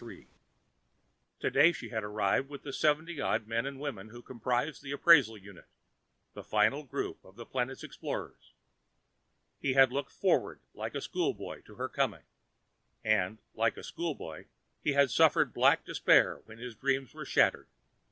Today she had arrived with the seventy odd men and women who comprised the appraisal unit, the final group of the planet's explorers. He had looked forward like a schoolboy to her coming. And, like a schoolboy, he had suffered black despair when his dreams were shattered.